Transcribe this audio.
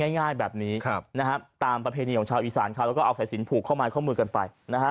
ง่ายแบบนี้ตามประเพณีของชาวอีสานแล้วก็เอาสายสินผูกข้อมายข้อมือกันไป